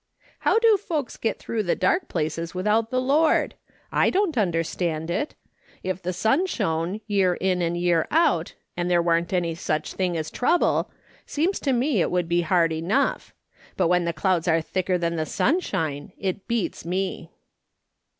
How do folks get through the dark places without the Lord ? I don't understand it. If the sun shone, year in and year out, and there warn't any such thing as trouble, seems to me it would be hard enough ; but when the clouds are thicker than the sunshine, it beats me."